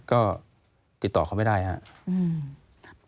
ก็ติดต่อเขาไม่ได้ครับ